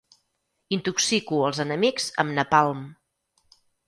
Intoxico els enemics amb napalm.